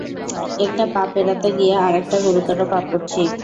একটা পাপ এড়াতে গিয়ে, আর একটা গুরুতর পাপ করছি।